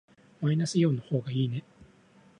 マイナスイオンの方がいいね。